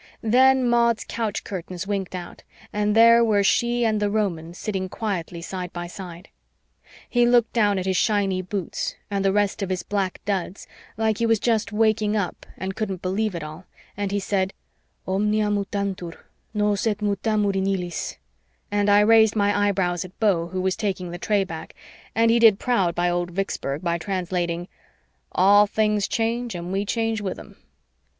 Then Maud's couch curtains winked out and there were she and the Roman sitting quietly side by side. He looked down at his shiny boots and the rest of his black duds like he was just waking up and couldn't believe it all, and he said, "Omnia mutantur, nos et mutamur in illis," and I raised my eyebrows at Beau, who was taking the tray back, and he did proud by old Vicksburg by translating: "All things change and we change with them."